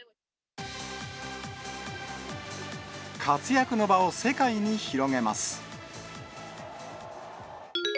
活躍の場を世界に広げます。